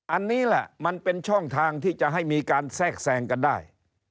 อันนี้แหละมันเป็นช่องทางที่จะให้มีการแทรกแทรงกันได้